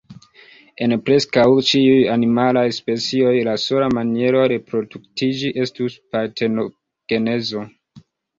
En preskaŭ ĉiuj animalaj specioj, la sola maniero reproduktiĝi estus partenogenezo!